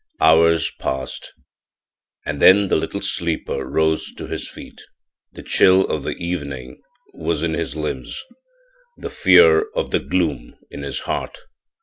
Hours passed, and then the little sleeper rose to his feet. The chill of the evening was in his limbs, the fear of the gloom in his heart.